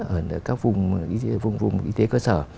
ở các vùng y tế cơ sở